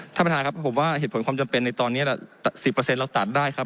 ท่านประธานครับผมว่าเหตุผลความจำเป็นในตอนเนี้ยสิบเปอร์เซ็นต์เราตัดได้ครับ